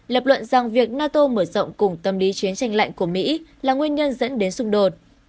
lập luận rằng việc nato mở rộng cùng tâm lý chiến tranh lạnh của mỹ là nguyên nhân dẫn đến xung đột